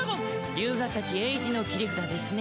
竜ヶ崎エイジの切り札ですね。